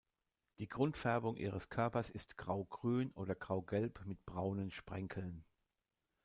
Die Grundfärbung ihres Körpers ist graugrün oder graugelb mit braunen Sprenkeln.